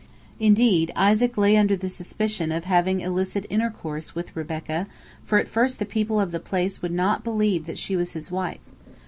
" Indeed, Isaac lay under the suspicion of having illicit intercourse with Rebekah, for at first the people of the place would not believe that she was his wife.